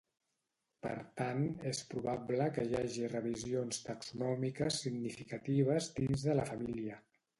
Per tant, és probable que hi hagi revisions taxonòmiques significatives dins de la família.